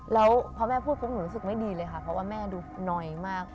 แล้วพอแม่พูดปุ๊บหนูรู้สึกไม่ดีเลยค่ะเพราะว่าแม่ดูหน่อยมาก